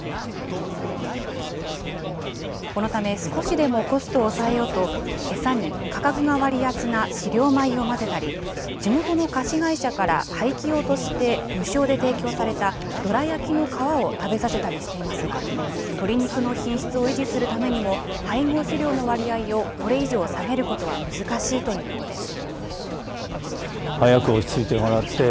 このため少しでもコストを抑えようと、餌に価格が割安な飼料米を混ぜたり、地元の菓子会社から廃棄用として無償で提供されたどら焼きの皮を食べさせたりしていますが、鶏肉の品質を維持するためにも、配合飼料の割合をこれ以上下げることは難しいということです。